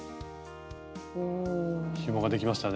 ひもができましたね。